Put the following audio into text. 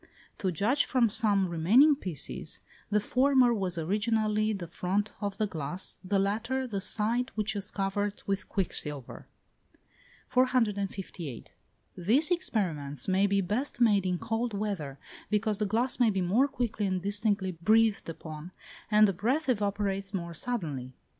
To judge from some remaining pieces, the former was originally the front of the glass, the latter the side which was covered with quicksilver. 458. These experiments may be best made in cold weather, because the glass may be more quickly and distinctly breathed upon, and the breath evaporates more suddenly.